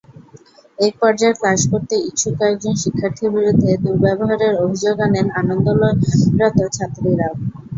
একপর্যায়ে ক্লাস করতে ইচ্ছুক কয়েকজন শিক্ষার্থীর বিরুদ্ধে দুর্ব্যবহারের অভিযোগ আনেন আন্দোলনরত ছাত্রীরা।